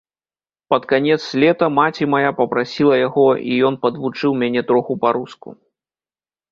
Пад канец лета маці мая папрасіла яго, і ён падвучыў мяне троху па-руску.